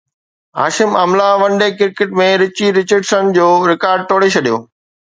Hashim Amla one day cricket ۾ Richie Richardson جو record ٽوڙي ڇڏيو